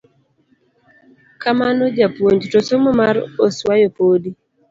Kamano japuponj, to somo mar oswayo podi….